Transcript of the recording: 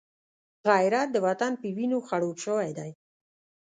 غیرت د وطن په وینو خړوب شوی دی